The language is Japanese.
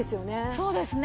そうですね。